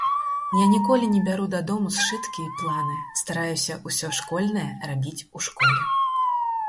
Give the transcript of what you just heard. Я ніколі не бяру дадому сшыткі і планы, стараюся ўсё школьнае рабіць у школе.